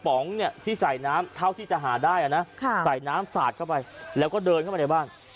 ป๋องเนี่ยที่ใส่น้ำเท่าที่จะหาได้นะใส่น้ำสาดเข้าไปแล้วก็เดินเข้ามาในบ้าน